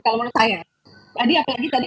kalau menurut saya tadi apalagi tadi